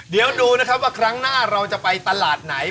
เดี๋ยวดูนะครับว่าครั้งหน้าเราจะไปตลาดไหน